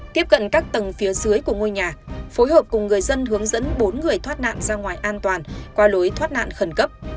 tiếp cận các tầng phía dưới của ngôi nhà phối hợp cùng người dân hướng dẫn bốn người thoát nạn ra ngoài an toàn qua lối thoát nạn khẩn cấp